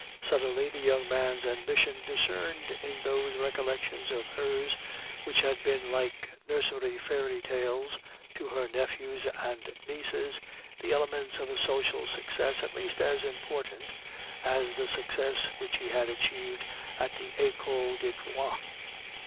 Suddenly the young man's ambition discerned in those recollections of hers, which had been like nursery fairy tales to her nephews and nieces, the elements of a social success at least as important as the success which he had achieved at the Ecole de Droit.